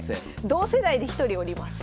同世代で１人おります。